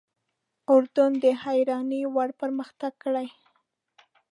اردن د حیرانۍ وړ پرمختګ کړی.